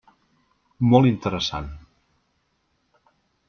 Molt interessant.